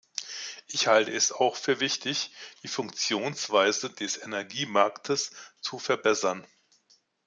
Ich halte es auch für wichtig, die Funktionsweise des Energiemarktes zu verbessern.